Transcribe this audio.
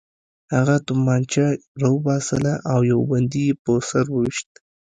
هغه توپانچه راوباسله او یو بندي یې په سر وویشت